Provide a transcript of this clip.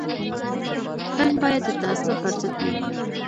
فلم باید د تعصب پر ضد وي